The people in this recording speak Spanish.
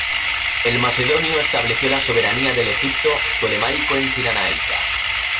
El macedonio estableció la soberanía del Egipto ptolemaico en Cirenaica.